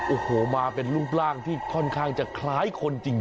โอ้โหมาเป็นรูปร่างที่ค่อนข้างจะคล้ายคนจริง